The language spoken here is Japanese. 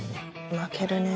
泣けるね。